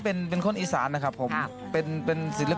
เพราะว่าใจแอบในเจ้า